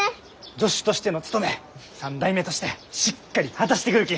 助手としての務め３代目としてしっかり果たしてくるき！